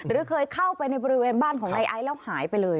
หรือเคยเข้าไปในบริเวณบ้านของนายไอซ์แล้วหายไปเลย